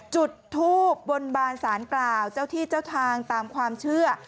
จุดทูบบนบานสารกล่าวเจ้าที่เจ้าทางตามความเชื่อ